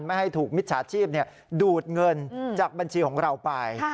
ไม่ให้ถูกมิจฉาชีพดูดเงินจากบัญชีของเราไป